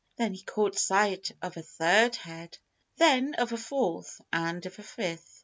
Then he caught sight of a third head, then of a fourth, and of a fifth.